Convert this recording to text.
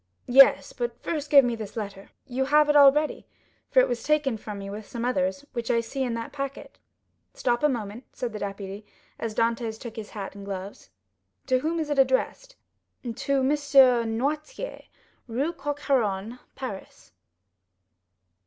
"Yes; but first give me this letter." "You have it already, for it was taken from me with some others which I see in that packet." "Stop a moment," said the deputy, as Dantès took his hat and gloves. "To whom is it addressed?" _"To Monsieur Noirtier, Rue Coq Héron, Paris."